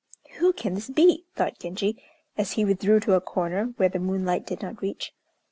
"Who can this be?" thought Genji, as he withdrew to a corner where the moonlight did not reach.